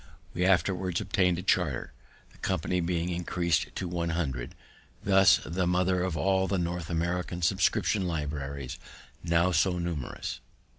We afterwards obtain'd a charter, the company being increased to one hundred: this was the mother of all the North American subscription libraries, now so numerous.